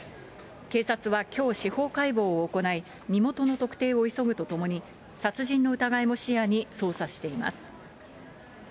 警察はきょう、司法解剖を行い、身元の特定を急ぐとともに、殺人の疑いも視野に捜査しています。